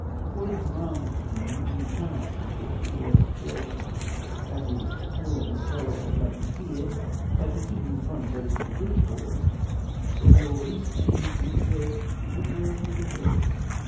According to Brougham's opinion, you cannot be put in a worse situation,—that is, more in peril of Government here,—by continuing foreign service in the Greek cause than you already stand in by having served the Emperor of the Brazils.